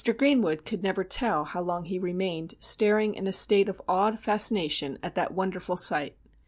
Greenwood could never tell how long he remained staring in a state of awed fascination at that wonderful sight.